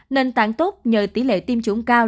nên tạng tốt nhờ tỷ lệ tiêm chủng cao